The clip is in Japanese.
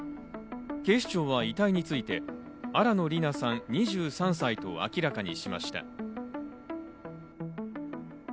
警視庁は遺体について、新野りなさん、２３歳と明らかにしました。